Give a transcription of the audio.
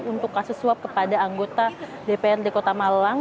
untuk kasus suap kepada anggota dprd kota malang